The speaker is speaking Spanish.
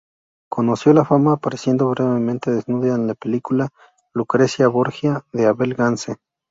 Conoció la fama apareciendo brevemente desnuda en la película "Lucrecia Borgia" de Abel Gance.